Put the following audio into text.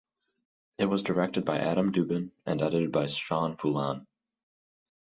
It was directed by Adam Dubin, and edited by Sean Fullan.